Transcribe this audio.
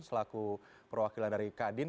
selaku perwakilan dari kadin